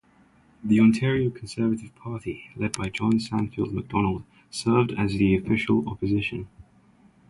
The Ontario Conservative Party, led by John Sandfield Macdonald, served as the official opposition.